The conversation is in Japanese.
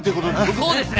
・そうですね！